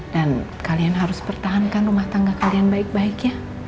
dan kalian harus pertahankan rumah tangga kalian baik baik ya